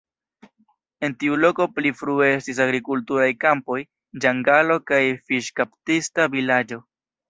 En tiu loko pli frue estis agrikulturaj kampoj, ĝangalo kaj fiŝkaptista vilaĝo.